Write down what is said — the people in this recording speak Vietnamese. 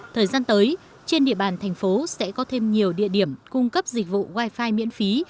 thời gian tới trên địa bàn thành phố sẽ có thêm nhiều địa điểm cung cấp dịch vụ wifi miễn phí